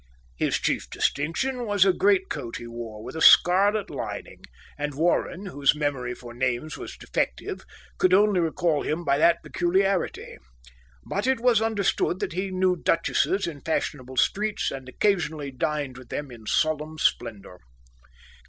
His chief distinction was a greatcoat he wore, with a scarlet lining; and Warren, whose memory for names was defective, could only recall him by that peculiarity. But it was understood that he knew duchesses in fashionable streets, and occasionally dined with them in solemn splendour.